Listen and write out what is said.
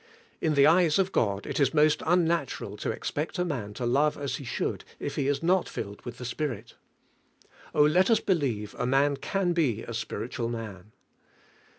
In the eyes of God, it is most unnatural to expect a man to love as he should if he is not filled with the Spirit. Oh, let us believe a man can be a spiritual man.